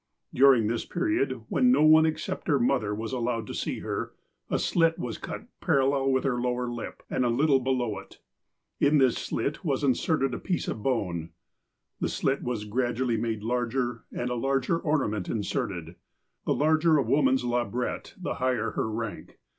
During this period, when no one except her mother was allowed to see her, a slit was cut parallel with her lower lip, and a little below it. In this slit was in serted a piece of bone. The slit was gradually made larger, and a larger ornament inserted. The larger a woman's labrette, the higher her rank.